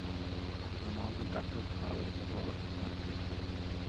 زما ورور ډاکټر دي، هغه به د هېوادوالو خدمت کوي.